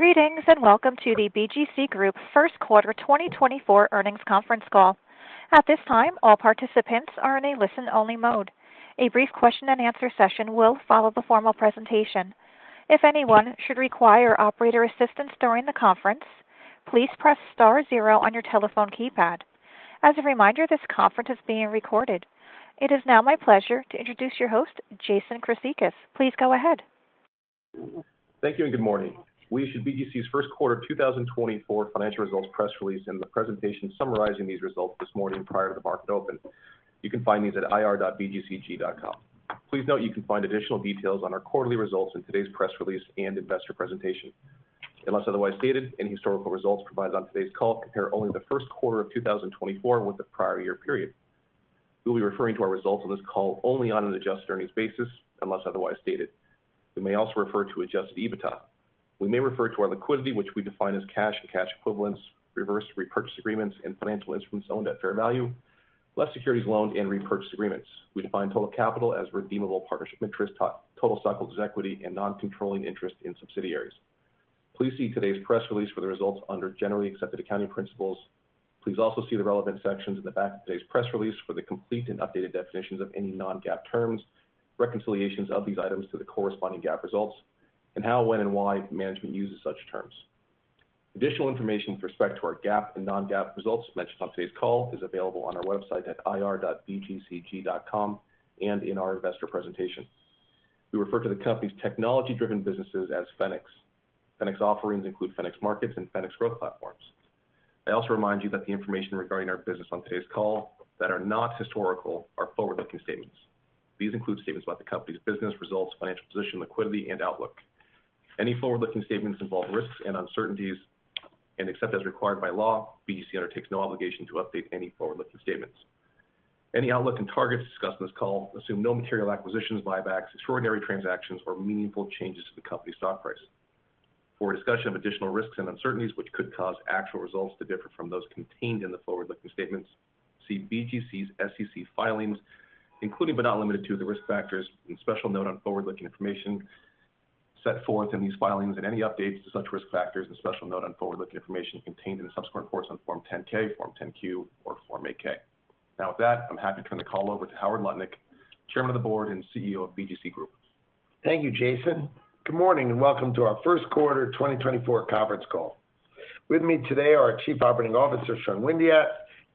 Greetings, and welcome to the BGC Group first quarter 2024 earnings conference call. At this time, all participants are in a listen-only mode. A brief question and answer session will follow the formal presentation. If anyone should require operator assistance during the conference, please press star zero on your telephone keypad. As a reminder, this conference is being recorded. It is now my pleasure to introduce your host, Jason Chryssicas. Please go ahead. Thank you and good morning. We issued BGC's first quarter 2024 financial results press release and the presentation summarizing these results this morning prior to the market open. You can find these at ir.bgcg.com. Please note, you can find additional details on our quarterly results in today's press release and investor presentation. Unless otherwise stated, any historical results provided on today's call compare only the first quarter of 2024 with the prior year period. We'll be referring to our results on this call only on an adjusted earnings basis, unless otherwise stated. We may also refer to adjusted EBITDA. We may refer to our liquidity, which we define as cash and cash equivalents, reverse repurchase agreements, and financial instruments owned at fair value, less securities loaned and repurchased agreements. We define total capital as redeemable partnership interest, total stockholders' equity, and non-controlling interest in subsidiaries. Please see today's press release for the results under generally accepted accounting principles. Please also see the relevant sections in the back of today's press release for the complete and updated definitions of any non-GAAP terms, reconciliations of these items to the corresponding GAAP results, and how, when, and why management uses such terms. Additional information with respect to our GAAP and non-GAAP results mentioned on today's call is available on our website at ir.bgcg.com and in our investor presentation. We refer to the company's technology-driven businesses as Fenics. Fenics offerings include Fenics Markets and Fenics Growth Platforms. I also remind you that the information regarding our business on today's call that are not historical are forward-looking statements. These include statements about the company's business results, financial position, liquidity, and outlook. Any forward-looking statements involve risks and uncertainties, and except as required by law, BGC undertakes no obligation to update any forward-looking statements. Any outlook and targets discussed on this call assume no material acquisitions, buybacks, extraordinary transactions, or meaningful changes to the company's stock price. For a discussion of additional risks and uncertainties which could cause actual results to differ from those contained in the forward-looking statements, see BGC's SEC filings, including but not limited to, the risk factors and special note on forward-looking information set forth in these filings, and any updates to such risk factors and special note on forward-looking information contained in subsequent reports on Form 10-K, Form 10-Q, or Form 8-K. Now, with that, I'm happy to turn the call over to Howard Lutnick, Chairman of the Board and CEO of BGC Group. Thank you, Jason. Good morning, and welcome to our first quarter 2024 conference call. With me today are our Chief Operating Officer, Sean Windeatt,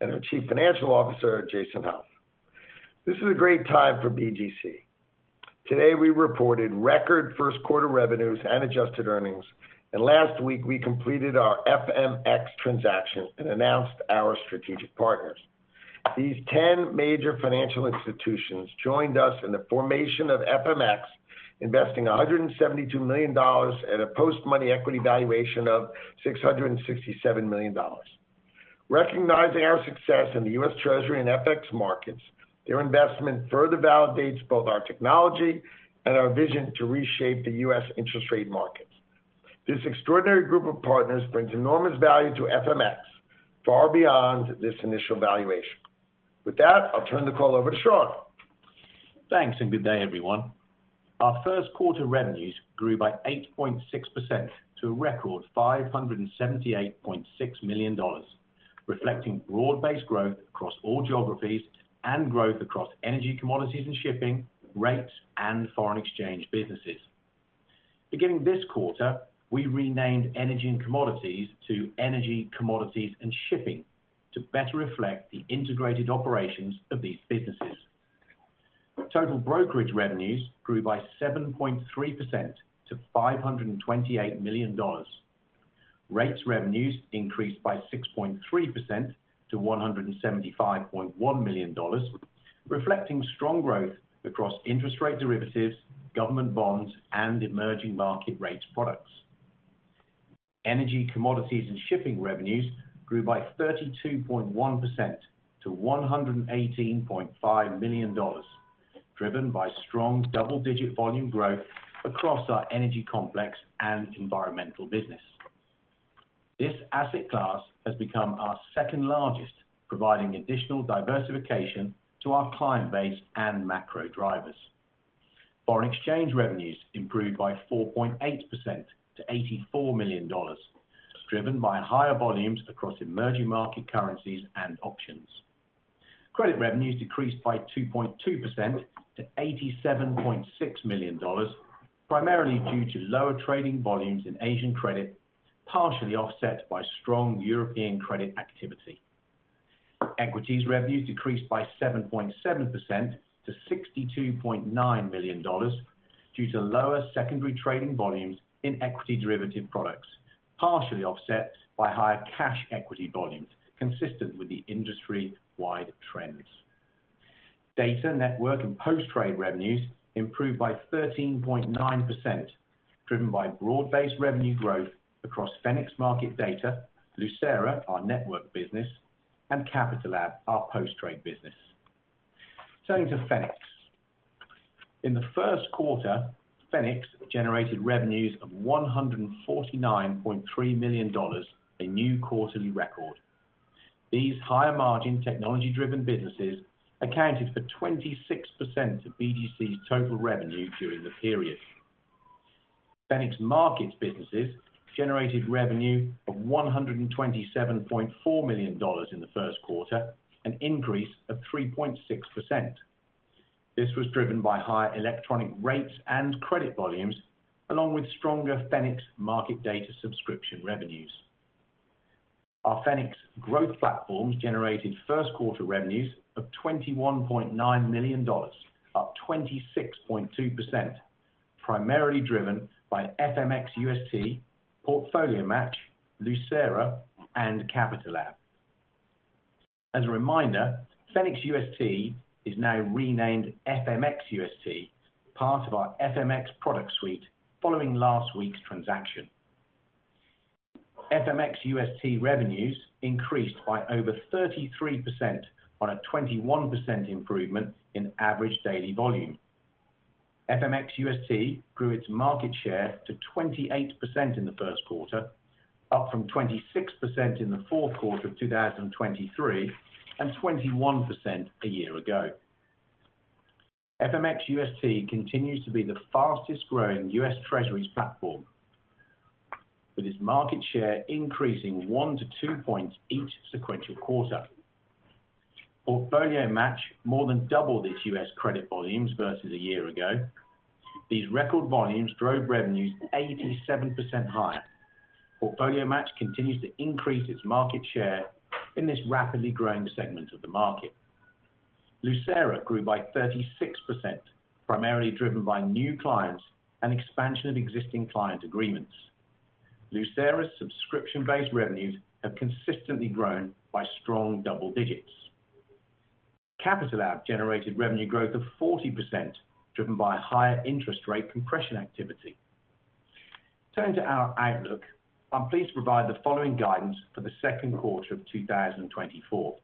and our Chief Financial Officer, Jason Hauf. This is a great time for BGC. Today, we reported record first quarter revenues and adjusted earnings, and last week, we completed our FMX transaction and announced our strategic partners. These 10 major financial institutions joined us in the formation of FMX, investing $172 million at a post-money equity valuation of $667 million. Recognizing our success in the U.S. Treasury and FX markets, their investment further validates both our technology and our vision to reshape the U.S. interest rate markets. This extraordinary group of partners brings enormous value to FMX, far beyond this initial valuation. With that, I'll turn the call over to Sean. Thanks, and good day, everyone. Our first quarter revenues grew by 8.6% to a record $578.6 million, reflecting broad-based growth across all geographies and growth across energy, commodities and shipping, rates, and foreign exchange businesses. Beginning this quarter, we renamed energy and commodities to energy, commodities, and shipping to better reflect the integrated operations of these businesses. Total brokerage revenues grew by 7.3% to $528 million. Rates revenues increased by 6.3% to $175.1 million, reflecting strong growth across interest rate derivatives, government bonds, and emerging market rates products. Energy, commodities, and shipping revenues grew by 32.1% to $118.5 million, driven by strong double-digit volume growth across our energy complex and environmental business. This asset class has become our second-largest, providing additional diversification to our client base and macro drivers. Foreign exchange revenues improved by 4.8% to $84 million, driven by higher volumes across emerging market currencies and options. Credit revenues decreased by 2.2% to $87.6 million, primarily due to lower trading volumes in Asian credit, partially offset by strong European credit activity. Equities revenues decreased by 7.7% to $62.9 million, due to lower secondary trading volumes in equity derivative products, partially offset by higher cash equity volumes, consistent with the industry-wide trends. Data, network, and post-trade revenues improved by 13.9%, driven by broad-based revenue growth across Fenics Market Data, Lucera, our network business, and Capitalab, our post-trade business. Turning to Fenics. In the first quarter, Fenics generated revenues of $149.3 million, a new quarterly record. These higher margin, technology-driven businesses accounted for 26% of BGC's total revenue during the period. Fenics Markets businesses generated revenue of $127.4 million in the first quarter, an increase of 3.6%. This was driven by higher electronic rates and credit volumes, along with stronger Fenics Market Data subscription revenues. Our Fenics growth platforms generated first quarter revenues of $21.9 million, up 26.2%, primarily driven by FMX UST, Portfolio Match, Lucera, and Capitalab. As a reminder, Fenics UST is now renamed FMX UST, part of our FMX product suite, following last week's transaction. FMX UST revenues increased by over 33% on a 21% improvement in average daily volume. FMX UST grew its market share to 28% in the first quarter, up from 26% in the fourth quarter of 2023, and 21% a year ago. FMX UST continues to be the fastest-growing U.S. Treasuries platform, with its market share increasing one to two points each sequential quarter. Portfolio Match more than doubled its U.S. credit volumes versus a year ago. These record volumes drove revenues 87% higher. Portfolio Match continues to increase its market share in this rapidly growing segment of the market. Lucera grew by 36%, primarily driven by new clients and expansion of existing client agreements. Lucera's subscription-based revenues have consistently grown by strong double digits. Capitalab generated revenue growth of 40%, driven by higher interest rate compression activity. Turning to our outlook, I'm pleased to provide the following guidance for the second quarter of 2024.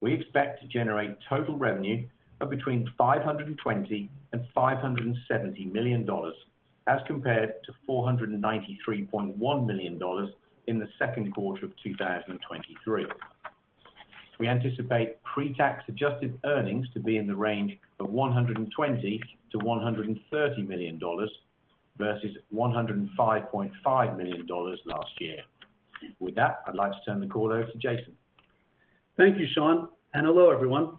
We expect to generate total revenue of between $520 million and $570 million, as compared to $493.1 million in the second quarter of 2023. We anticipate pre-tax adjusted earnings to be in the range of $120 million-$130 million versus $105.5 million last year. With that, I'd like to turn the call over to Jason. Thank you, Sean, and hello, everyone.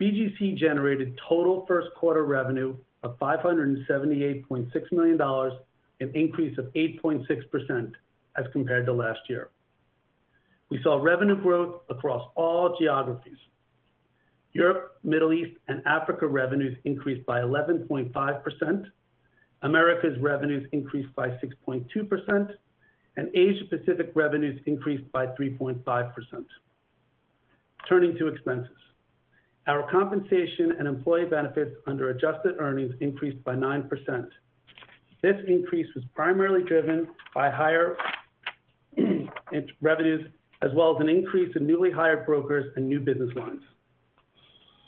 BGC generated total first quarter revenue of $578.6 million, an increase of 8.6% as compared to last year. We saw revenue growth across all geographies. Europe, Middle East, and Africa revenues increased by 11.5%, Americas revenues increased by 6.2%, and Asia Pacific revenues increased by 3.5%. Turning to expenses. Our compensation and employee benefits under adjusted earnings increased by 9%. This increase was primarily driven by higher revenues, as well as an increase in newly hired brokers and new business lines.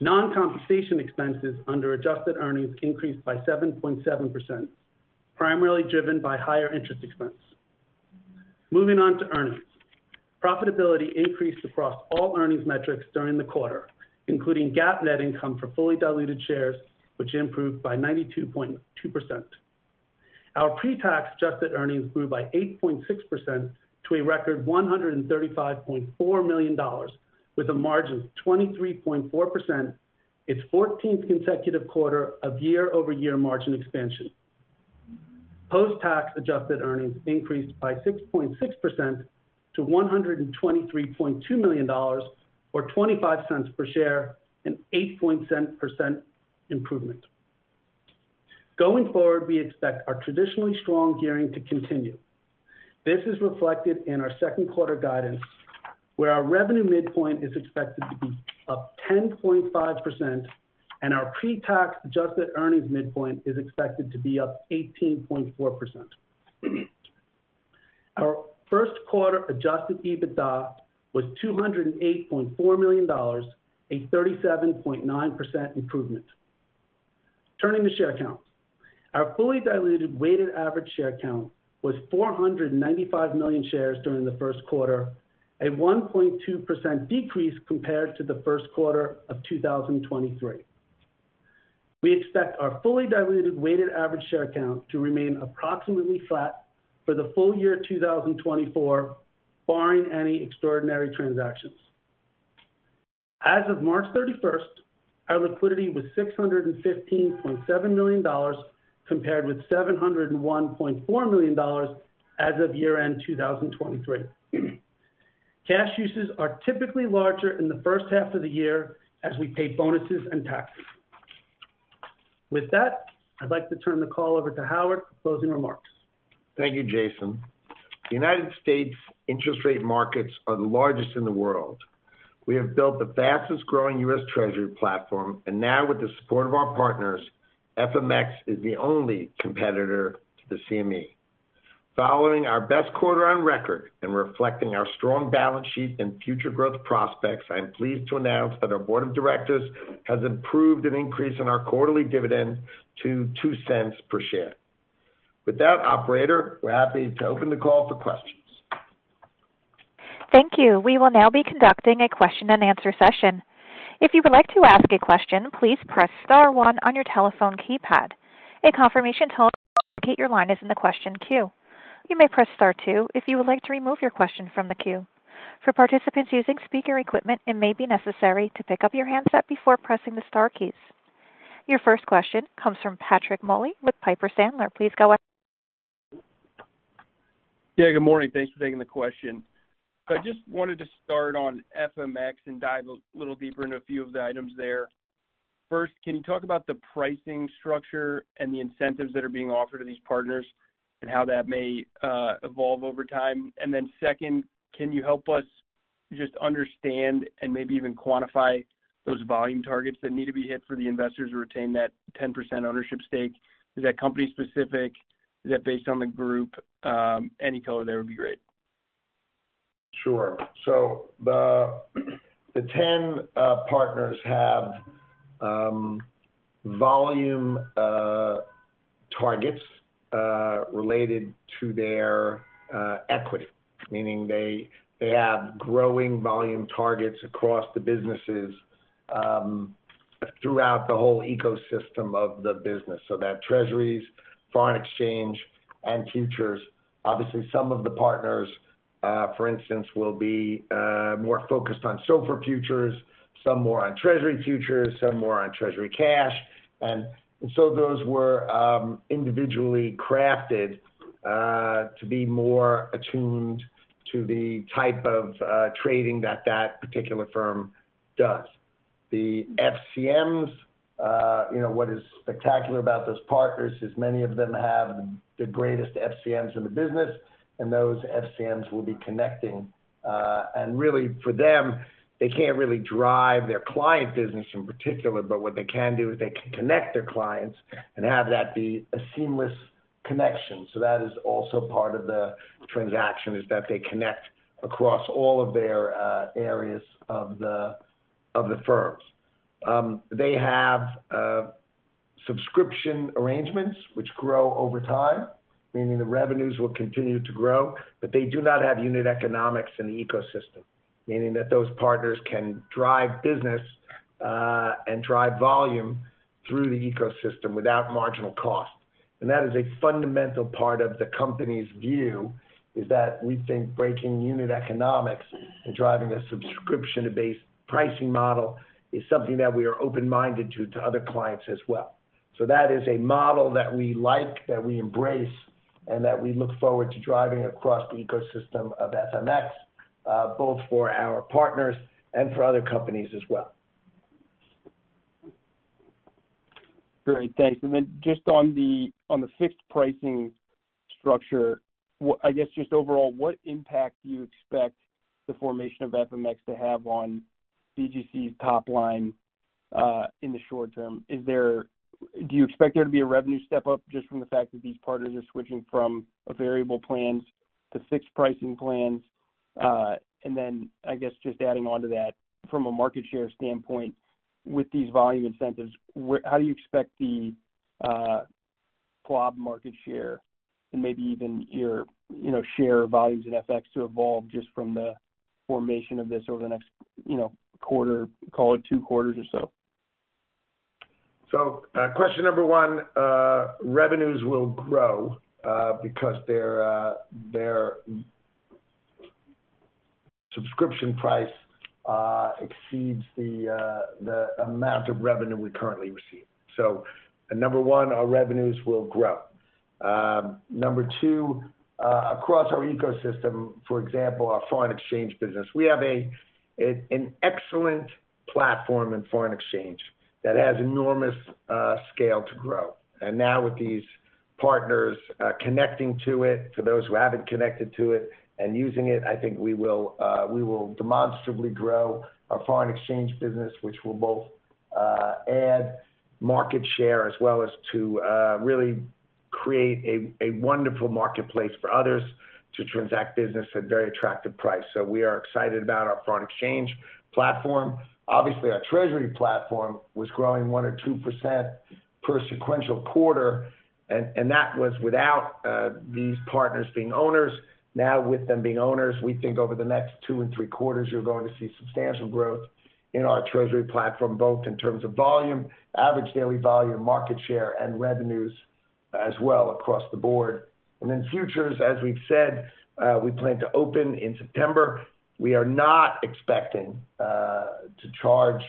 Non-compensation expenses under adjusted earnings increased by 7.7%, primarily driven by higher interest expense. Moving on to earnings. Profitability increased across all earnings metrics during the quarter, including GAAP net income for fully diluted shares, which improved by 92.2%. Our pre-tax adjusted earnings grew by 8.6% to a record $135.4 million, with a margin of 23.4%, its 14th consecutive quarter of year-over-year margin expansion. Post-tax adjusted earnings increased by 6.6% to $123.2 million, or $0.25 per share, an 8.1% improvement. Going forward, we expect our traditionally strong gearing to continue. This is reflected in our second quarter guidance, where our revenue midpoint is expected to be up 10.5%, and our pre-tax adjusted earnings midpoint is expected to be up 18.4%. Our first quarter Adjusted EBITDA was $208.4 million, a 37.9% improvement. Turning to share count. Our fully diluted weighted average share count was 495 million shares during the first quarter, a 1.2% decrease compared to the first quarter of 2023. We expect our fully diluted weighted average share count to remain approximately flat for the full year 2024, barring any extraordinary transactions. As of March 31st, our liquidity was $615.7 million, compared with $701.4 million as of year-end 2023. Cash uses are typically larger in the first half of the year as we pay bonuses and taxes. With that, I'd like to turn the call over to Howard for closing remarks. Thank you, Jason. The United States interest rate markets are the largest in the world. We have built the fastest-growing U.S. Treasury platform, and now with the support of our partners, FMX is the only competitor to the CME. Following our best quarter on record and reflecting our strong balance sheet and future growth prospects, I am pleased to announce that our board of directors has approved an increase in our quarterly dividend to $0.02 per share... With that, operator, we're happy to open the call for questions. Thank you. We will now be conducting a question-and-answer session. If you would like to ask a question, please press star one on your telephone keypad. A confirmation tone will indicate your line is in the question queue. You may press star two if you would like to remove your question from the queue. For participants using speaker equipment, it may be necessary to pick up your handset before pressing the star keys. Your first question comes from Patrick Moley with Piper Sandler. Please go ahead. Yeah, good morning. Thanks for taking the question. I just wanted to start on FMX and dive a little deeper into a few of the items there. First, can you talk about the pricing structure and the incentives that are being offered to these partners and how that may evolve over time? And then second, can you help us just understand and maybe even quantify those volume targets that need to be hit for the investors to retain that 10% ownership stake? Is that company specific? Is that based on the group? Any color there would be great. Sure. So the 10 partners have volume targets related to their equity, meaning they have growing volume targets across the businesses throughout the whole ecosystem of the business, so that treasuries, foreign exchange, and futures. Obviously, some of the partners for instance will be more focused on SOFR futures, some more on treasury futures, some more on treasury cash. And so those were individually crafted to be more attuned to the type of trading that that particular firm does. The FCMs, you know, what is spectacular about those partners is many of them have the greatest FCMs in the business, and those FCMs will be connecting. And really, for them, they can't really drive their client business in particular, but what they can do is they can connect their clients and have that be a seamless connection. So that is also part of the transaction, is that they connect across all of their, areas of the, of the firms. They have, subscription arrangements which grow over time, meaning the revenues will continue to grow, but they do not have unit economics in the ecosystem, meaning that those partners can drive business, and drive volume through the ecosystem without marginal cost. And that is a fundamental part of the company's view, is that we think breaking unit economics and driving a subscription-based pricing model is something that we are open-minded to, to other clients as well. So that is a model that we like, that we embrace, and that we look forward to driving across the ecosystem of FMX, both for our partners and for other companies as well. Great. Thanks. And then just on the, on the fixed pricing structure, I guess, just overall, what impact do you expect the formation of FMX to have on BGC's top line, in the short term? Is there... Do you expect there to be a revenue step-up just from the fact that these partners are switching from a variable plans to fixed pricing plans? And then, I guess, just adding on to that, from a market share standpoint, with these volume incentives, how do you expect the, global market share and maybe even your, you know, share volumes in FX to evolve just from the formation of this over the next, you know, quarter, call it two quarters or so? So, question number one, revenues will grow, because their, their subscription price, exceeds the, the amount of revenue we currently receive. So number one, our revenues will grow. Number two, across our ecosystem, for example, our foreign exchange business, we have an excellent platform in foreign exchange that has enormous scale to grow. And now with these partners, connecting to it, to those who haven't connected to it and using it, I think we will, we will demonstrably grow our foreign exchange business, which will both add market share, as well as to really create a wonderful marketplace for others to transact business at a very attractive price. So we are excited about our foreign exchange platform. Obviously, our treasury platform was growing 1% or 2% per sequential quarter, and that was without these partners being owners. Now, with them being owners, we think over the next two and three quarters, you're going to see substantial growth in our treasury platform, both in terms of volume, average daily volume, market share, and revenues as well across the board. And then futures, as we've said, we plan to open in September. We are not expecting to charge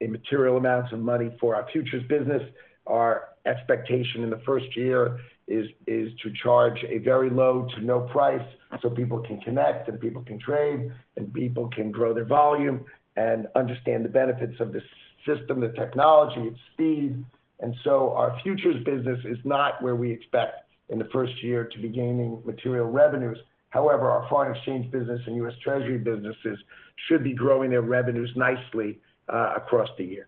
immaterial amounts of money for our futures business. Our expectation in the first year is to charge a very low to no price, so people can connect, and people can trade, and people can grow their volume and understand the benefits of the system, the technology, its speed. So our futures business is not where we expect in the first year to be gaining material revenues. However, our foreign exchange business and U.S. Treasury businesses should be growing their revenues nicely, across the year.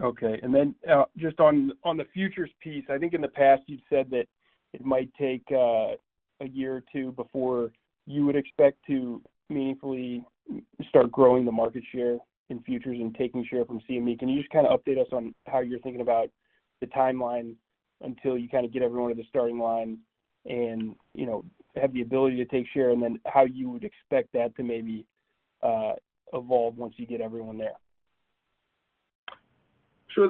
Okay. And then, just on the futures piece, I think in the past you've said that it might take a year or two before you would expect to meaningfully start growing the market share in futures and taking share from CME. Can you just kind of update us on how you're thinking about the timeline until you kind of get everyone at the starting line and, you know, have the ability to take share, and then how you would expect that to maybe evolve once you get everyone there? So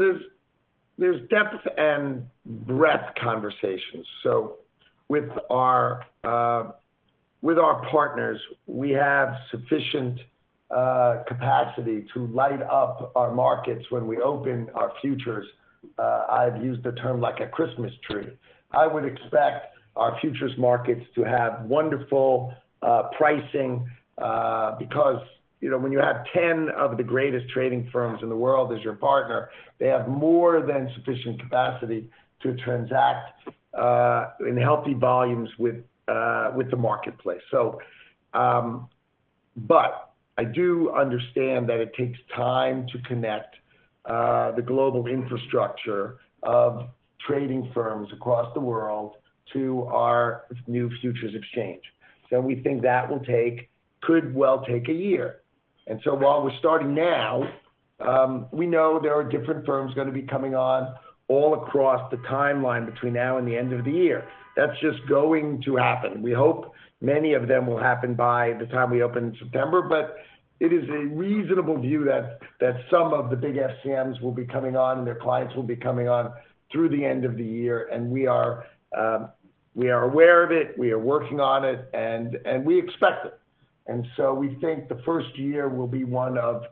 there's depth and breadth conversations. So with our partners, we have sufficient capacity to light up our markets when we open our futures. I've used the term like a Christmas tree. I would expect our futures markets to have wonderful pricing, because, you know, when you have 10 of the greatest trading firms in the world as your partner, they have more than sufficient capacity to transact in healthy volumes with the marketplace. So, but I do understand that it takes time to connect the global infrastructure of trading firms across the world to our new futures exchange. So we think that will take, could well take a year. And so while we're starting now, we know there are different firms going to be coming on all across the timeline between now and the end of the year. That's just going to happen. We hope many of them will happen by the time we open in September, but it is a reasonable view that some of the big FCMs will be coming on, and their clients will be coming on through the end of the year, and we are, we are aware of it, we are working on it, and we expect it. And so we think the first year will be one of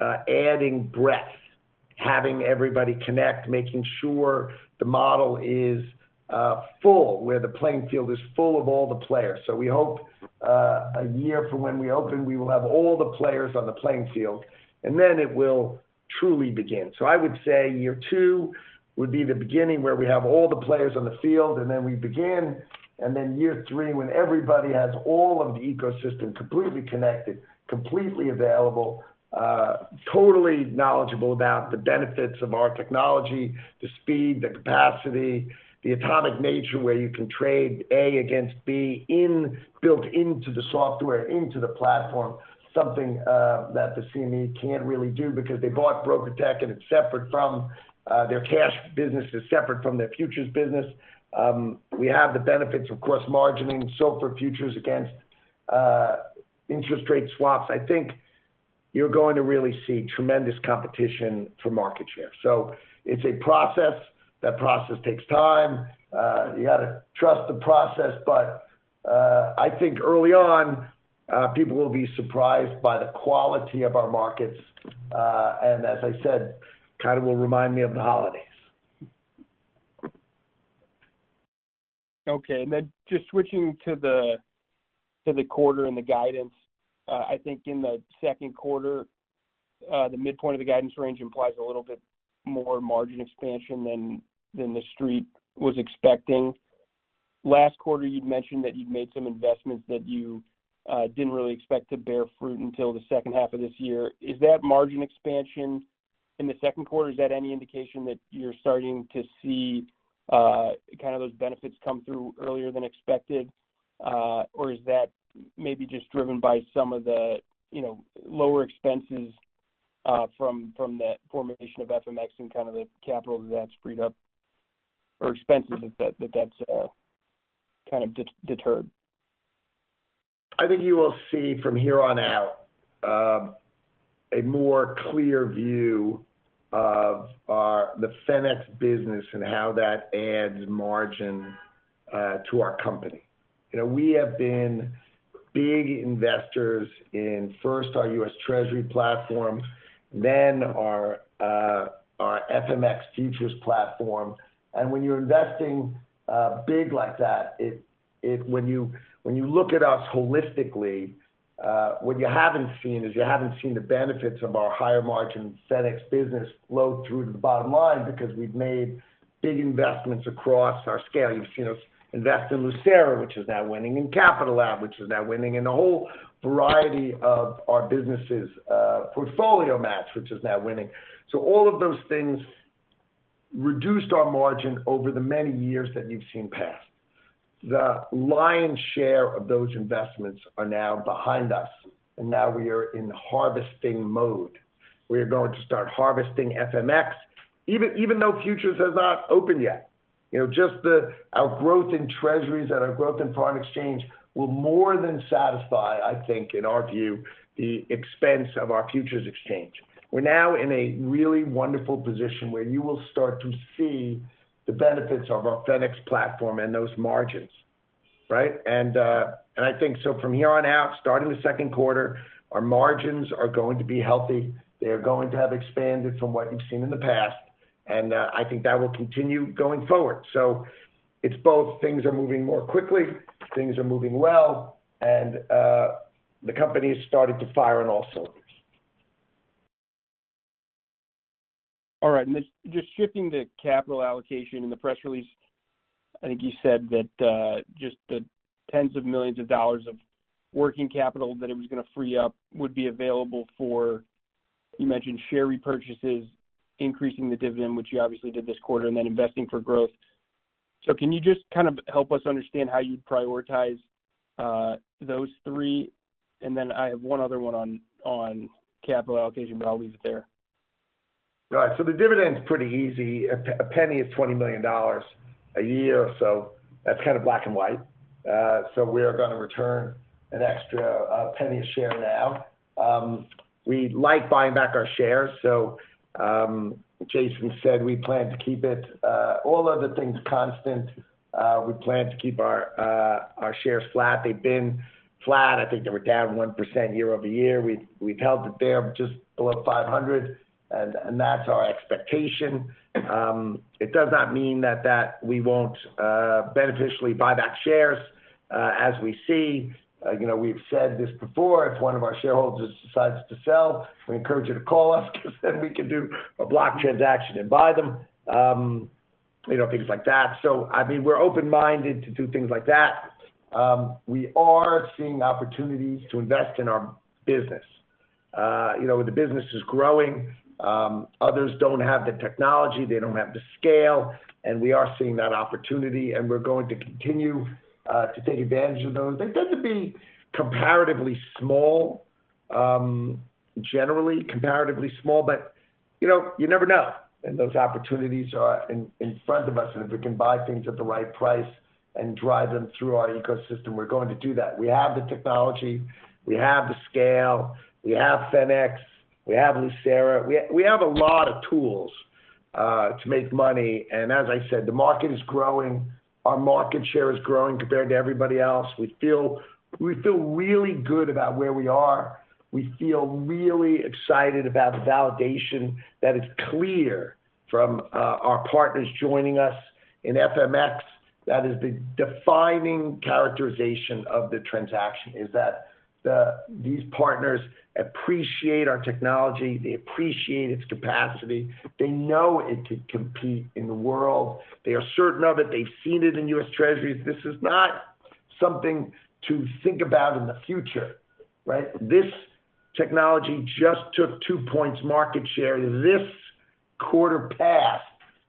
adding breadth, having everybody connect, making sure the model is full, where the playing field is full of all the players. So we hope, a year from when we open, we will have all the players on the playing field, and then it will truly begin. So I would say year two would be the beginning, where we have all the players on the field, and then we begin, and then year three, when everybody has all of the ecosystem completely connected, completely available, totally knowledgeable about the benefits of our technology, the speed, the capacity, the atomic nature, where you can trade A against B built into the software, into the platform, something, that the CME can't really do because they bought BrokerTec, and it's separate from. Their cash business is separate from their futures business. We have the benefits, of course, margining, so for futures against, interest rate swaps. I think you're going to really see tremendous competition for market share. It's a process. That process takes time. You got to trust the process, but, I think early on, people will be surprised by the quality of our markets, and as I said, kind of will remind me of the holidays. Okay, and then just switching to the quarter and the guidance. I think in the second quarter, the midpoint of the guidance range implies a little bit more margin expansion than the Street was expecting. Last quarter, you'd mentioned that you'd made some investments that you didn't really expect to bear fruit until the second half of this year. Is that margin expansion in the second quarter any indication that you're starting to see kind of those benefits come through earlier than expected, or is that maybe just driven by some of the, you know, lower expenses from the formation of FMX and kind of the capital that's freed up, or expenses that that's kind of deferred? I think you will see from here on out, a more clear view of our, the Fenics business and how that adds margin to our company. You know, we have been big investors in first, our U.S. Treasury platform, then our FMX futures platform. And when you're investing big like that, when you look at us holistically, what you haven't seen is you haven't seen the benefits of our higher margin Fenics business flow through to the bottom line, because we've made big investments across our scale. You've seen us invest in Lucera, which is now winning, in Capitalab, which is now winning, and a whole variety of our businesses, Portfolio Match, which is now winning. So all of those things reduced our margin over the many years that you've seen passed. The lion's share of those investments are now behind us, and now we are in harvesting mode. We are going to start harvesting FMX, even though futures are not open yet. You know, just our growth in Treasuries and our growth in foreign exchange will more than satisfy, I think, in our view, the expense of our futures exchange. We're now in a really wonderful position where you will start to see the benefits of our Fenics platform and those margins, right? And I think so from here on out, starting the second quarter, our margins are going to be healthy. They are going to have expanded from what you've seen in the past, and I think that will continue going forward. So it's both. Things are moving more quickly, things are moving well, and the company has started to fire on all cylinders. All right, and then just shifting to capital allocation. In the press release, I think you said that just the $10s of millions of working capital that it was going to free up would be available for?... You mentioned share repurchases, increasing the dividend, which you obviously did this quarter, and then investing for growth. So can you just kind of help us understand how you'd prioritize those three? And then I have one other one on capital allocation, but I'll leave it there. All right, so the dividend's pretty easy. A penny is $20 million a year, so that's kind of black and white. So we are going to return an extra penny a share now. We like buying back our shares, so Jason said we plan to keep it, all other things constant, we plan to keep our shares flat. They've been flat. I think they were down 1% year-over-year. We've held it there just below 500, and that's our expectation. It does not mean that we won't beneficially buy back shares. As we see, you know, we've said this before, if one of our shareholders decides to sell, we encourage you to call us because then we can do a block transaction and buy them, you know, things like that. So, I mean, we're open-minded to do things like that. We are seeing opportunities to invest in our business. You know, the business is growing, others don't have the technology, they don't have the scale, and we are seeing that opportunity, and we're going to continue to take advantage of those. They tend to be comparatively small, generally comparatively small, but, you know, you never know when those opportunities are in front of us, and if we can buy things at the right price and drive them through our ecosystem, we're going to do that. We have the technology, we have the scale, we have Fenics, we have Lucera. We have a lot of tools to make money, and as I said, the market is growing. Our market share is growing compared to everybody else. We feel really good about where we are. We feel really excited about the validation that is clear from our partners joining us in FMX. That is the defining characterization of the transaction, is that these partners appreciate our technology, they appreciate its capacity, they know it could compete in the world. They are certain of it. They've seen it in U.S. Treasuries. This is not something to think about in the future, right? This technology just took two points market share this quarter past,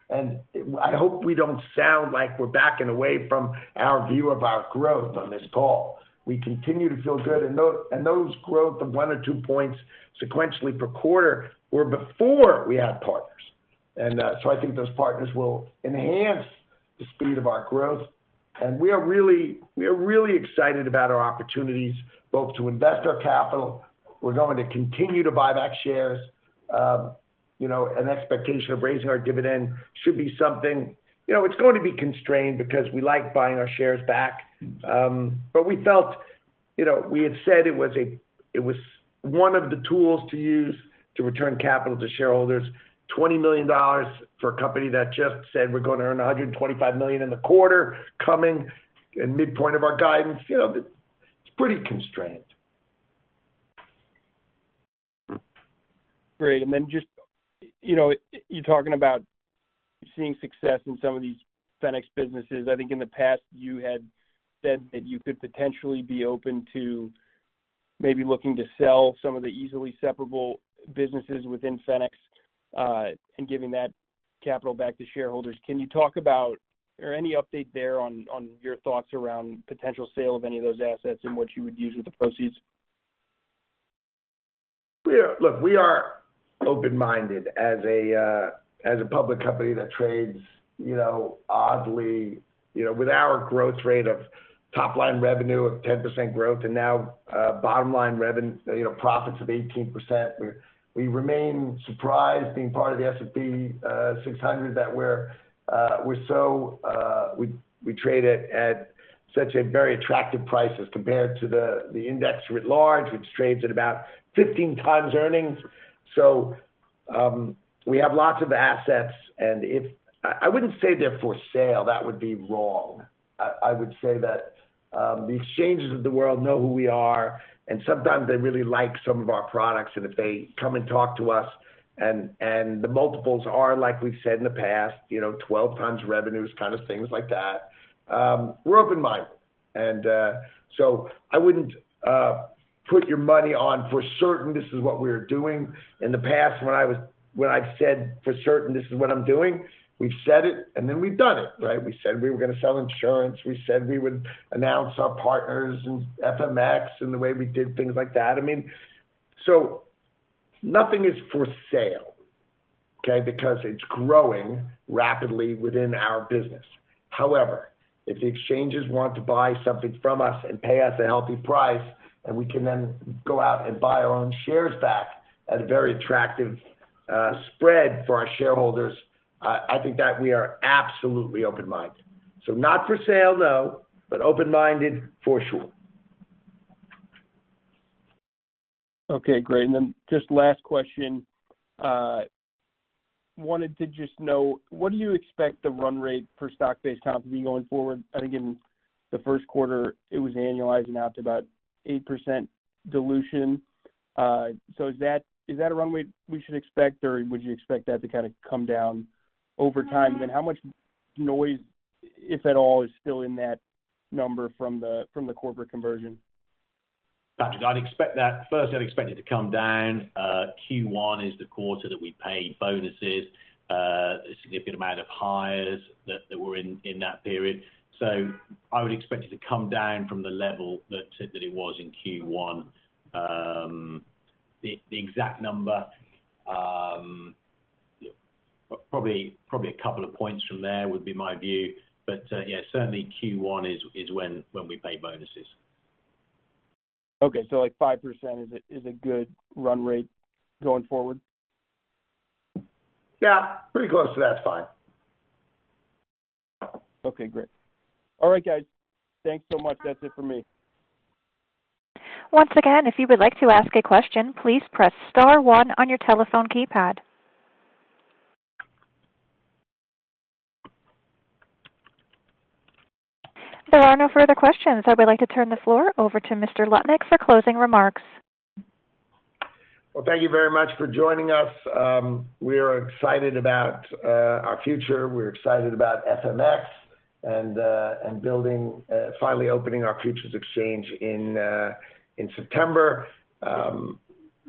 and I hope we don't sound like we're backing away from our view of our growth on this call. We continue to feel good, and those growth of one or two points sequentially per quarter were before we had partners. And, so I think those partners will enhance the speed of our growth, and we are really, we are really excited about our opportunities, both to invest our capital. We're going to continue to buy back shares. You know, an expectation of raising our dividend should be something... You know, it's going to be constrained because we like buying our shares back. But we felt, you know, we had said it was it was one of the tools to use to return capital to shareholders. $20 million for a company that just said, "We're going to earn $125 million in the quarter, coming in midpoint of our guidance," you know, it's pretty constrained. Great. And then just, you know, you're talking about seeing success in some of these Fenics businesses. I think in the past, you had said that you could potentially be open to maybe looking to sell some of the easily separable businesses within Fenics and giving that capital back to shareholders. Can you talk about or any update there on your thoughts around potential sale of any of those assets and what you would use with the proceeds? We are... Look, we are open-minded as a, as a public company that trades, you know, oddly, you know, with our growth rate of top line revenue of 10% growth and now, bottom line, you know, profits of 18%, we, we remain surprised, being part of the S&P 600, that we're, we're so, we, we trade at, at such a very attractive price as compared to the, the index writ large, which trades at about 15x earnings. So, we have lots of assets, and if- I, I wouldn't say they're for sale, that would be wrong. I would say that the exchanges of the world know who we are, and sometimes they really like some of our products, and if they come and talk to us, and the multiples are, like we've said in the past, you know, 12x revenues, kind of things like that, we're open-minded. And so I wouldn't put your money on for certain, this is what we're doing. In the past, when I've said, for certain, this is what I'm doing, we've said it, and then we've done it, right? We said we were going to sell insurance, we said we would announce our partners in FMX and the way we did things like that. I mean... So nothing is for sale, okay? Because it's growing rapidly within our business. However, if the exchanges want to buy something from us and pay us a healthy price, and we can then go out and buy our own shares back at a very attractive spread for our shareholders, I think that we are absolutely open-minded. So not for sale, no, but open-minded, for sure. Okay, great. And then just last question. Wanted to just know, what do you expect the run rate for stock-based comp to be going forward? I think in the first quarter, it was annualizing out to about 8% dilution. So is that a runway we should expect, or would you expect that to kind of come down over time? And then how much noise, if at all, is still in that number from the corporate conversion? Gotcha. I'd expect that... First, I'd expect it to come down. Q1 is the quarter that we paid bonuses, a significant amount of hires that were in that period. So I would expect it to come down from the level that it was in Q1. The exact number, probably a couple of points from there would be my view, but yeah, certainly Q1 is when we pay bonuses. Okay. So like 5% is a good run rate going forward? Yeah, pretty close to that is fine. Okay, great. All right, guys. Thanks so much. That's it for me. Once again, if you would like to ask a question, please press star one on your telephone keypad. There are no further questions. I would like to turn the floor over to Mr. Lutnick for closing remarks. Well, thank you very much for joining us. We are excited about our future. We're excited about FMX and building finally opening our futures exchange in September.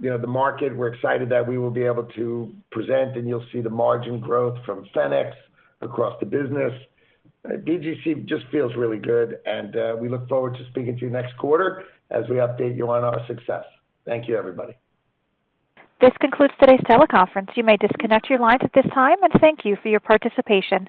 You know, the market, we're excited that we will be able to present, and you'll see the margin growth from Fenics across the business. BGC just feels really good, and we look forward to speaking to you next quarter as we update you on our success. Thank you, everybody. This concludes today's teleconference. You may disconnect your lines at this time, and thank you for your participation.